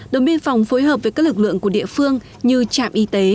đồng biên phòng phối hợp với các lực lượng của địa phương như trạm y tế